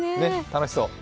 楽しそう。